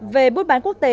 về buôn bán quốc tế